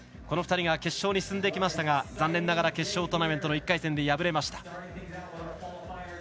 この２人が決勝に進んできましたが残念ながら決勝トーナメントの１回戦で敗れました。